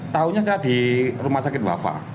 tahunya saya di rumah sakit wafa